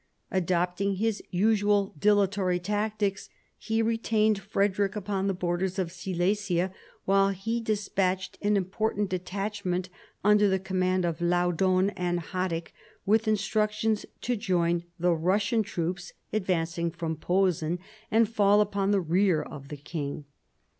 Adopting his usual dilatory tactics, he retained Frederick upon the borders of Silesia while he despatched an important detachment under the command of Laudon and Haddick, with instructions to join the Eussian troops advancing from Posen, and fall upon the rear of the king.